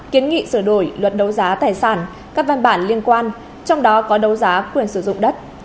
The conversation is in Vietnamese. kiến nghị sửa đổi luật đấu giá tài sản các văn bản liên quan trong đó có đấu giá quyền sử dụng đất